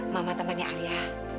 mama temannya alia